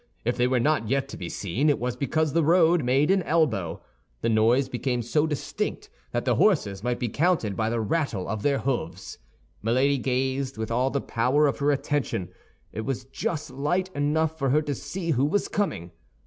If they were not yet to be seen, it was because the road made an elbow. The noise became so distinct that the horses might be counted by the rattle of their hoofs. Milady gazed with all the power of her attention; it was just light enough for her to see who was coming.